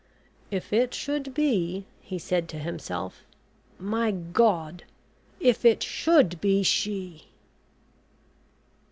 "If it should be," he said to himself. "My God if it should be she?"